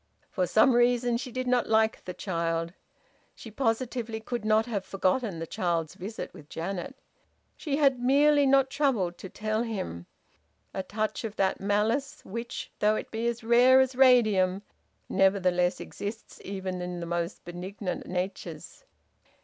For some reason she did not like the child. She positively could not have forgotten the child's visit with Janet. She had merely not troubled to tell him: a touch of that malice which, though it be as rare as radium, nevertheless exists even in the most benignant natures.